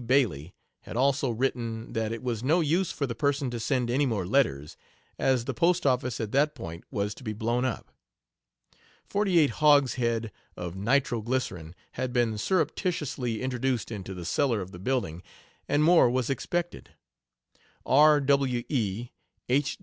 Bayleigh" had also written that it was "no use for the person to send any more letters, as the post office at that point was to be blown up. Forty eight hogs head of nitroglycerine had been syrupticiously introduced into the cellar of the building, and more was expected. R.W.E. H.